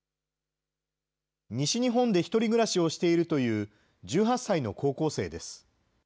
西日本で１人暮らしをしているという１８歳の高校生です。